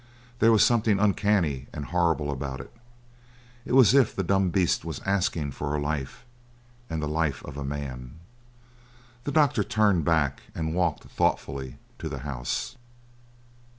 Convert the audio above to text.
There was something uncanny and horrible about it; it was as if the dumb beast was asking for a life, and the life of a man. The doctor turned back and walked thoughtfully to the house.